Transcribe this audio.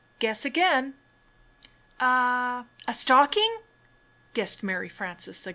"Guess again." "A— a stocking?" guessed Mary Frances again.